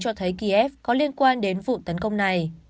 cho thấy kiev có liên quan đến vụ tấn công này